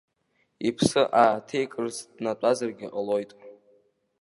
Иԥсы ааиҭеикырц днатәазаргьы ҟалоит.